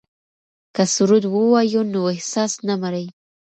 که سرود ووایو نو احساس نه مري.